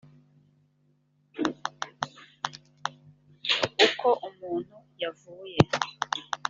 uko umuntu yavuye